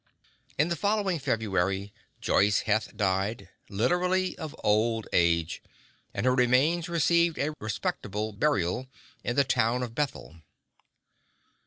In the following February, Joice Heth died, literally of old age, and her remains received a respectable burial in the town of Bethel.